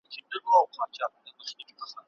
که ذهن بوخت وي نو بې ځایه فکرونه نه راځي.